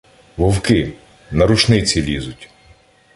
— Вовки! На рушниці лізуть.